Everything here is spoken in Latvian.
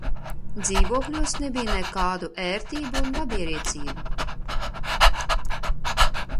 Dzīvokļos nebija nekādu ērtību un labierīcību.